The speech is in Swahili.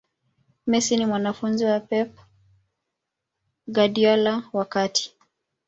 messi ni mwanafunzi wa pep guardiola wakati